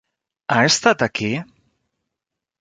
Ha estat aquí?